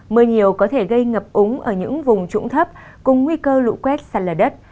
mưa nhiều có thể gây ngập úng ở những vùng trũng thấp cùng nguy cơ lụ quét sàn lờ đất